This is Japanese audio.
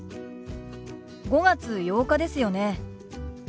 ５月８日ですよね。